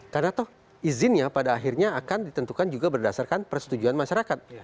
karena toh izinnya pada akhirnya akan ditentukan juga berdasarkan persetujuan masyarakat